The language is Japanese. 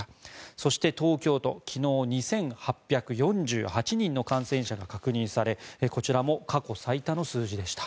そして東京都、昨日２８４８人の感染者が確認されこちらも過去最多の数字でした。